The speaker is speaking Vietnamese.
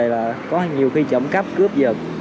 và có nhiều khi trộm cắp cướp vật